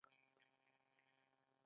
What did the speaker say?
د سعودي حکومت په مېلمستیا تر سره کېږي.